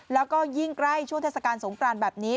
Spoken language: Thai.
แล้วก็ยิ่งใกล้ช่วงเทศกาลสงกรานแบบนี้